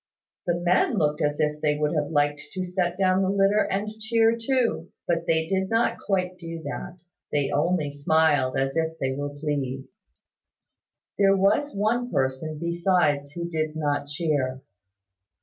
The men looked as if they would have liked to set down the litter, and cheer too: but they did not quite do that. They only smiled as if they were pleased. There was one person besides who did not cheer.